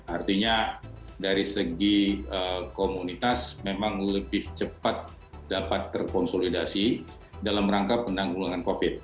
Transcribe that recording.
artinya dari segi komunitas memang lebih cepat dapat terkonsolidasi dalam rangka penanggulangan covid